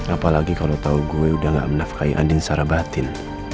apalagi kalau tahu gue udah gak menafkai andin secara batin